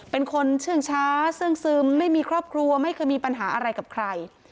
เป็นคนเชื่องช้าเชื่องซึมไม่มีครอบครัวไม่เคยมีปัญหาอะไรกับใคร